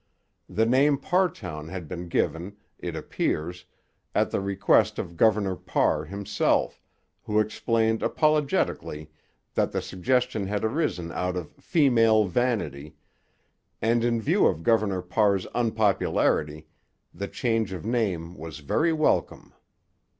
The name Parrtown had been given, it appears, at the request of Governor Parr himself, who explained apologetically that the suggestion had arisen out of 'female vanity'; and in view of Governor Parr's unpopularity, the change of name was very welcome.